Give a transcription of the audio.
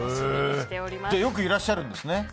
よくいらっしゃるんですね。